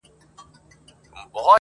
چي د ده عاید څو چنده دا علت دی,